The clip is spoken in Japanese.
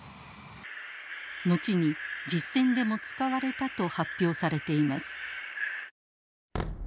後に実戦でも使われたと発表されています。